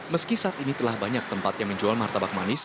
meski saat ini telah banyak tempat yang menjual martabak manis